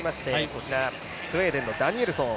こちらスウェーデンのダニエルソン。